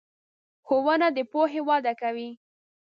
ښوونه د پوهې وده کوي.